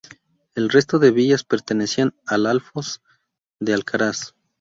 El resto de villas pertenecían al Alfoz de Alcaraz.